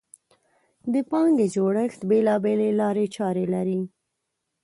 د پانګې جوړښت بېلابېلې لارې چارې لري.